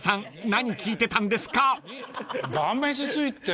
何聞いてたんですか］